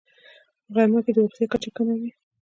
په غرمه کې د بوختیا کچه کمه وي